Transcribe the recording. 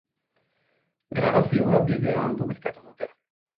Grabazioa bideoan publikatu dute.